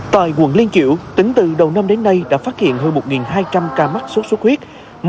tại quận liên kiểu tính từ đầu năm đến nay đã phát hiện hơn một hai trăm linh ca mắc sốt xuất huyết